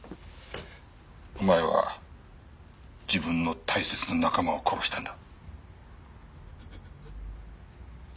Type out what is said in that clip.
お前は自分の大切な仲間を殺したんだ。